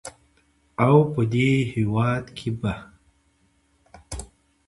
او په دې هېواد کې به